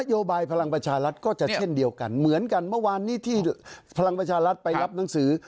โยบายพลังประชารัฐก็จะเช่นเดียวกันเหมือนกันเมื่อวานนี้ที่พลังประชารัฐไปรับหนังสือ